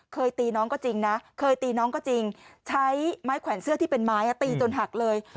เคยตีน้องก็จริงนะใช้ไม้ขวานเสื้อที่เป็นไม้ตีจนหักเลย